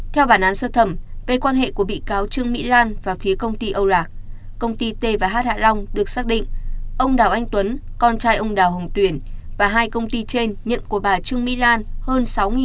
theo bản án sơ thẩm về quan hệ của bị cáo trương mỹ lan và phía công ty âu lạc công ty t và h hạ long được xác định ông đào anh tuấn con trai ông đào hồng tuyển và hai công ty trên nhận của bà trương mỹ lan hơn sáu chín mươi năm tỷ đồng